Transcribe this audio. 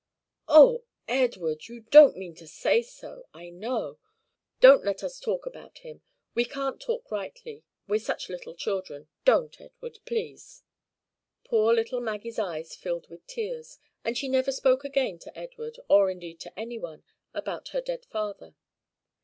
"Oh, Edward! you don't mean to say so, I know. Don't let us talk about him. We can't talk rightly, we're such little children. Don't, Edward, please." Poor little Maggie's eyes filled with tears; and she never spoke again to Edward, or indeed to any one, about her dead father.